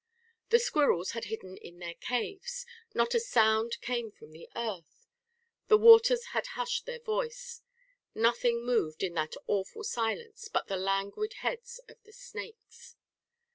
The squirrels had hidden in their caves; not a sound came from the earth; the waters had hushed their voice. Nothing moved in that awful silence but the languid heads of the snakes.